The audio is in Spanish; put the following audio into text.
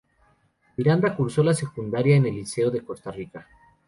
Miranda cursó la secundaria en el Liceo de Costa Rica.